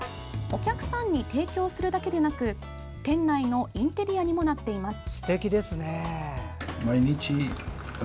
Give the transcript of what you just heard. お客さんに提供するだけでなく店内のインテリアにもなっています。